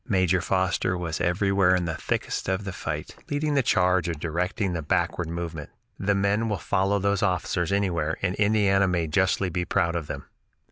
Major Foster was everywhere in the thickest of the fight, leading the charge or directing the backward movement. The men will follow those officers anywhere and Indiana may justly be proud of them."